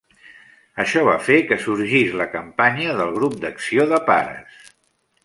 Això va fer que sorgís la campanya del grup d'acció de pares.